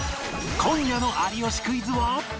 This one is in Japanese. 今夜の『有吉クイズ』は